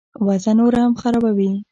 وضع نوره هم خرابوي.